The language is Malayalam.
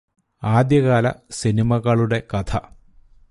ആദ്യ കാല സിനിമകളുടെ കഥ